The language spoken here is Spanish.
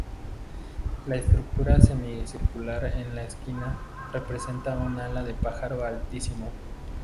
La estructura semicircular en la esquina representa un ala de pájaro altísimo.